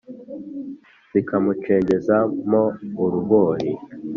zikamucengeza mo uruboli